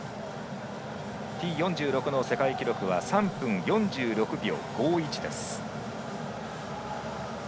Ｔ４６の世界記録は３分４６秒５１です。